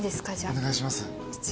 お願いします。